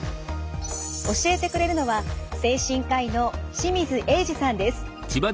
教えてくれるのは精神科医の清水栄司さんです。